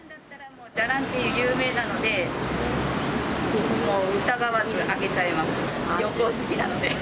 じゃらんって有名なので、もう疑わず開けちゃいます。